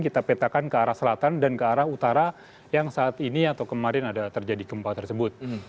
kita petakan ke arah selatan dan ke arah utara yang saat ini atau kemarin ada terjadi gempa tersebut